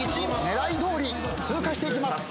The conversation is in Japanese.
狙いどおり通過していきます。